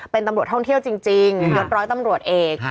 เป็นตำรวจท่องเที่ยวจริงยดร้อยตำรวจเอก